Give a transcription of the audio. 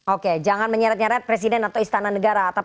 oke jangan menyeret nyeret presiden atau istana negara